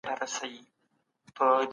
موږ په یوه نوي ماډل باندې کار کوو.